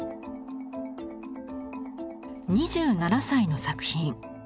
２７歳の作品。